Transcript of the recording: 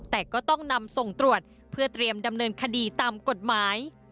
แต่ก็ต้องนำส่งตรวจเพื่อเตรียมดำเนินคดีตามกฎหมาย